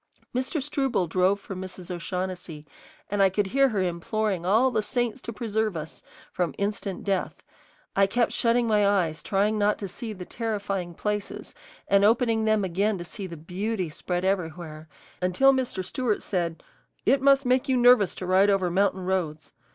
Mr. Struble drove for Mrs. O'Shaughnessy, and I could hear her imploring all the saints to preserve us from instant death. I kept shutting my eyes, trying not to see the terrifying places, and opening them again to see the beauty spread everywhere, until Mr. Stewart said, "It must make you nervous to ride over mountain roads.